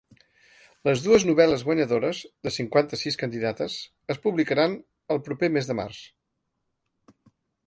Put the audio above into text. Les dues novel·les guanyadores –de cinquanta-sis candidates- es publicaran el proper més de març.